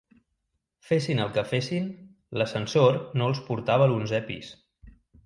Fessin el que fessin, l'ascensor no els portava a l'onzè pis.